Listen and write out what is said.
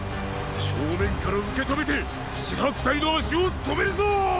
正面から受け止めて紫伯隊の足を止めるぞ！！